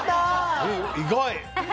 意外！